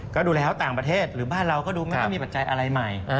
ก็ดูแล้วต่างประเทศหรือบ้านเราก็ดูไม่ค่อยมีปัจจัยอะไรใหม่